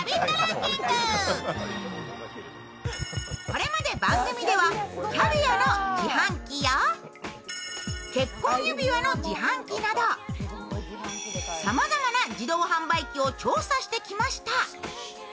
これまで番組では、キャビアの自販機や結婚指輪の自販など、さまざまな自動販売機を調査してきました。